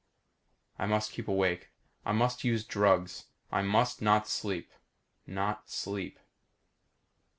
I must keep awake. I use drugs. I must not sleep not sleep.